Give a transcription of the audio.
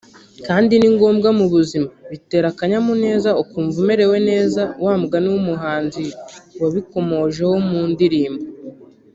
kandi ni ngombwa mu buzima bitera akanyamuneza ukumva umerewe neza wa mugani w’umuhanzi wabikomojeho mu ndirimbo